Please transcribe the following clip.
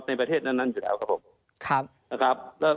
ในประเทศนั้นอยู่แล้วครับผมนะครับ